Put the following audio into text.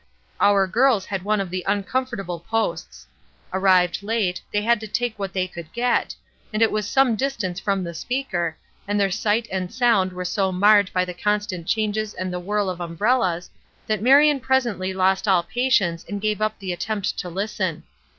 Our girls had one of the uncomfortable posts. Arrived late, they had to take what they could get, and it was some distance from the speaker, and their sight and sound were so marred by the constant changes and the whirl of umbrellas that Marion presently lost all patience and gave up the attempt to listen.